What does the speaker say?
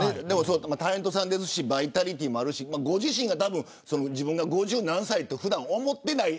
タレントさんですしバイタリティーあるしご自身が五十何歳と普段、思ってない。